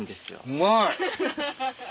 うまい。